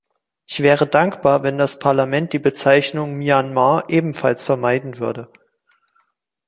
Ich wäre dankbar, wenn das Parlament die Bezeichnung Myanmar ebenfalls vermeiden würde.